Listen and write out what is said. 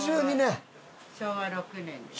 昭和６年ですね。